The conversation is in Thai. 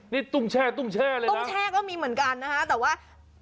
นี่ตุ้งแช่ตุ้งแช่เลยตุ้งแช่ก็มีเหมือนกันนะฮะแต่ว่า